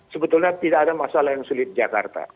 sebetulnya tidak ada masalah yang sulit di jakarta